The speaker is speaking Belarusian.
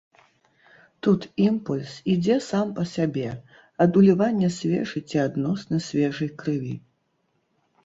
Тут імпульс ідзе сам па сябе, ад улівання свежай ці адносна свежай крыві.